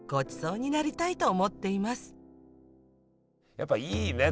やっぱいいね